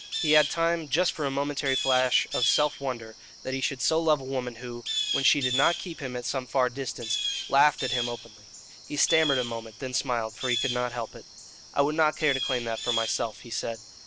He had time just for a momentary flash of self wonder that he should so love a woman who, when she did not keep him at some far distance, laughed at him openly. He stammered a moment, then smiled, for he could not help it. "I would not care to claim that for myself," he said.